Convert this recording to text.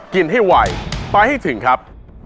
กินให้ไวไปให้ถึงครับ